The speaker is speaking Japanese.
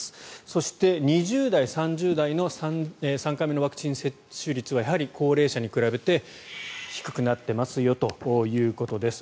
そして２０代、３０代の３回目接種率はやはり高齢者に比べて低くなっていますよということです。